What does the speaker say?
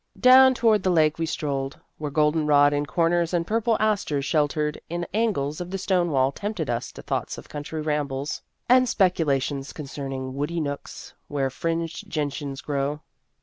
Down toward the lake we strolled, where goldenrod in corners and purple asters sheltered in angles of the stone wall tempted us to thoughts of country ram bles and speculations concerning woody nooks where fringed gentians grow.